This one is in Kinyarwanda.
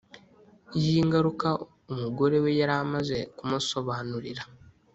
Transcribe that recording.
y’ingaruka umugore we yari amaze kumusobanurira.